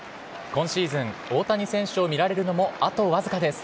今シーズン、大谷選手を見られるのもあと僅かです。